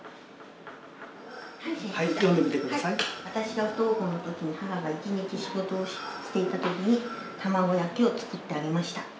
「私が不登校の時に母が一日仕事をしていた時に卵焼きを作ってあげました」。